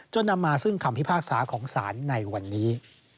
นำมาซึ่งคำพิพากษาของศาลในวันนี้